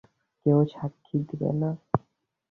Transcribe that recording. কেউ সাক্ষি দেবে না?